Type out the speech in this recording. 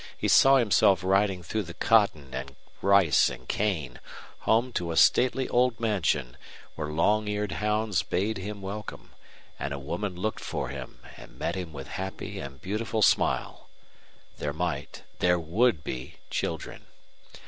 He saw himself riding through the cotton and rice and cane, home to a stately old mansion, where long eared hounds bayed him welcome, and a woman looked for him and met him with happy and beautiful smile. There might there would be children.